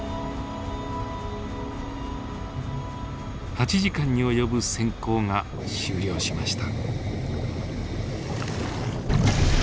８時間に及ぶ潜行が終了しました。